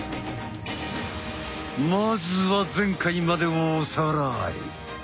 まずは前回までをおさらい。